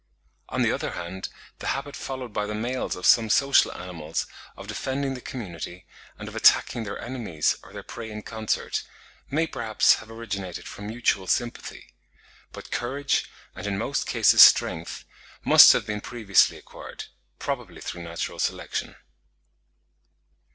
On the other hand, the habit followed by the males of some social animals of defending the community, and of attacking their enemies or their prey in concert, may perhaps have originated from mutual sympathy; but courage, and in most cases strength, must have been previously acquired, probably through natural selection.